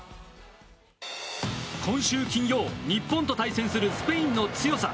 今週金曜、日本と対戦するスペインの強さ。